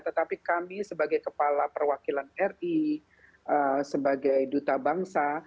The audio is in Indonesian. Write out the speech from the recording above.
tetapi kami sebagai kepala perwakilan ri sebagai duta bangsa